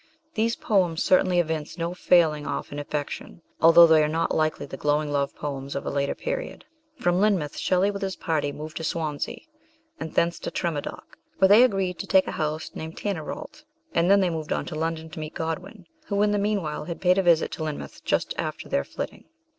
These poems certainly evince no falling off in affection, although they are not like the glowing love poems of a later period. From Lynmouth Shelley, with his party, moved to Swansea, and thence to Tremadoc, where they agreed to take a house named Tanyrallt, and then they moved on to London to meet Godwin, who, in the meanwhile, had paid a visit to Lynmouth just after their flitting.